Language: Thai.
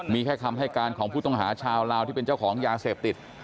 มีแค่คำให้การของผู้ต้องหาชาวลาวที่เป็นเจ้าของยาเสพติด